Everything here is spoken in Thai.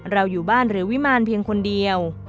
อยู่บ้านหรือวิมารเพียงคนเดียว